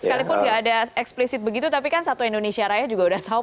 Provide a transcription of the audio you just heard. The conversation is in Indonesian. sekalipun nggak ada eksplisit begitu tapi kan satu indonesia raya juga udah tahu